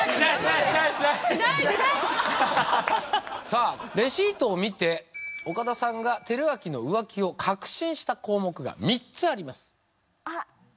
さあレシートを見て岡田さんが輝明の浮気を確信した項目が３つありますあっ